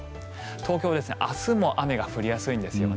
東京、明日も雨が降りやすいんですよね。